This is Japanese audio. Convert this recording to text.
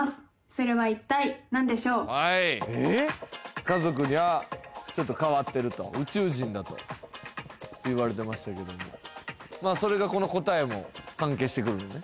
それは一体何でしょう家族にはちょっと変わってると宇宙人だと言われてましたけどもまあそれがこの答えも関係してくるのね？